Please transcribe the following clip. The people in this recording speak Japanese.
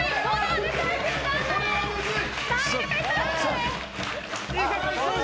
これはむずい。